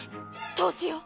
どうしよう！